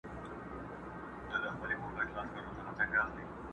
ښه پوهېږم بې ګنا یم بې ګنا مي وړي تر داره.